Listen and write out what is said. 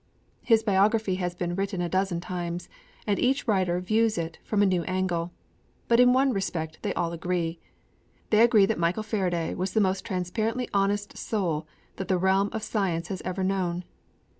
His biography has been written a dozen times; and each writer views it from a new angle. But in one respect they all agree. They agree that Michael Faraday was the most transparently honest soul that the realm of science has ever known.